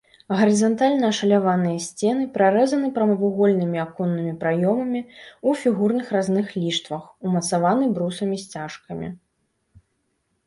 Гарызантальна ашаляваныя сцены прарэзаны прамавугольнымі аконнымі праёмамі ў фігурных разных ліштвах, умацаваны брусамі-сцяжкамі.